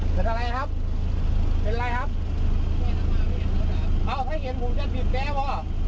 เป็นอะไรครับเป็นไรครับอ้าวถ้าเห็นผมจะผิดแกว่ะ